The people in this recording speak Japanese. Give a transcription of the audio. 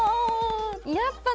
やっぱね